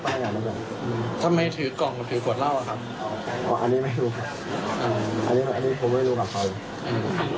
เพราะกลัวมันจะเปื้องพร้อมทั้งมีการถอดเสื้อสีขาวออก